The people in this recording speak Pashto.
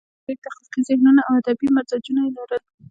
چې ډېر تخليقي ذهنونه او ادبي مزاجونه ئې لرل